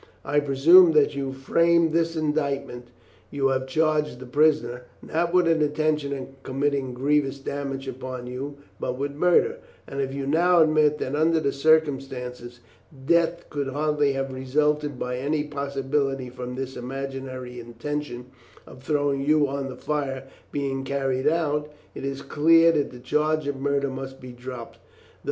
I presume that you framed this indictment you have charged the prisoner, not with an intention of committing grievous damage upon you, but with murder, and if you now admit that, under the circumstances, death could hardly have resulted by any possibility from this imaginary intention of throwing you on the fire being carried out, it is clear that the charge of murder must drop through.